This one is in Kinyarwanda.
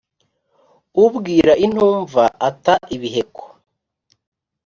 Ubwira intumva ata ibiheko.